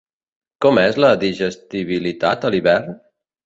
Com és la digestibilitat a l'hivern?